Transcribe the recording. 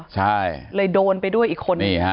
ใช่เลยโดนไปด้วยอีกคนนึง